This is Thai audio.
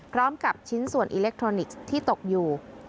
พร้อมกับชิ้นส่วนอิเล็กทรอนิกส์ที่ตกอยู่